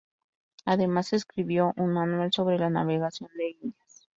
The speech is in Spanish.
Además, escribió un manual sobre la navegación en Indias.